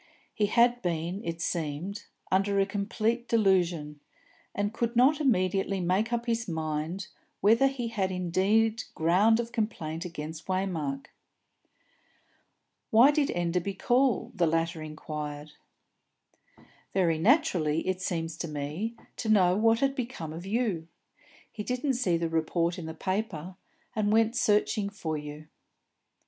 He had been, it seemed, under a complete delusion, and could not immediately make up his mind whether he had indeed ground of complaint against Waymark. "Why did Mr. Enderby call?" the latter inquired. "Very naturally, it seems to me, to know what had become of you. He didn't see the report in the paper, and went searching for you."